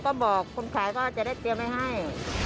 ก็บอกคนขายว่าจะได้เตรียมไว้ให้